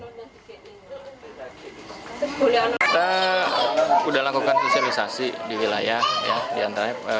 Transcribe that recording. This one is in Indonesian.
kita sudah lakukan sosialisasi di wilayah di antara